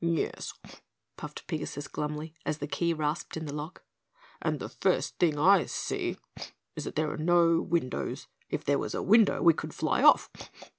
"Yes," puffed Pigasus glumly as the key rasped in the lock, "and the first thing I see is that there are no windows. If there was a window we could fly off.